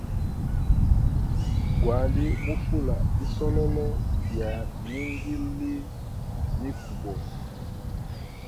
Gwali mu fula isololo ya ningili mikubo.